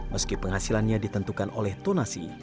meski penghasilannya ditentukan oleh tonasi